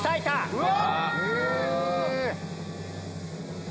うわ！